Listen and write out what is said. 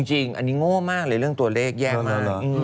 จริงอันนี้โง่มากเลยเรื่องตัวเลขแย่มาก